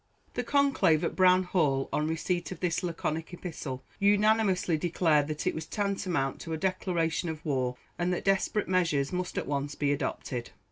The conclave at Brown Hall, on receipt of this laconic epistle, unanimously declared that it was tantamount to a declaration of war, and that desperate measures must at once be adopted.